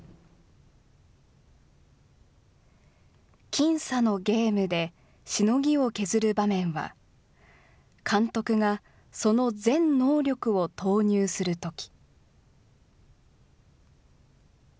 僅差のゲームでシノギを削る場面は、監督がその全能力を投入するとき。